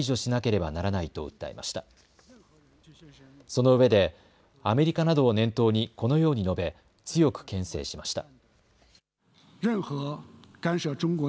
そのうえでアメリカなどを念頭にこのように述べ強くけん制しました。